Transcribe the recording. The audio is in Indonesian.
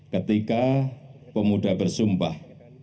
ketika pemuda bersumpah